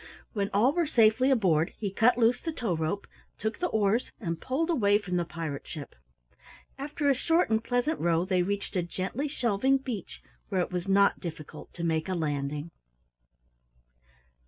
When all were safely aboard, he cut loose the tow rope, took the oars, and pulled away from the pirate ship. After a short and pleasant row they reached a gently shelving beach where it was not difficult to make a landing.